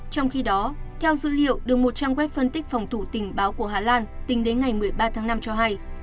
trong khi đó theo dữ liệu được một trang web phân tích phòng thủ tình báo của hà lan tính đến ngày một mươi ba tháng năm cho hay